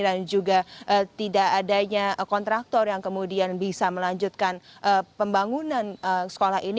dan juga tidak adanya kontraktor yang kemudian bisa melanjutkan pembangunan sekolah ini